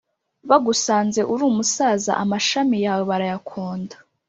Bagusanze uri umusaza Amashami yawe barayakonda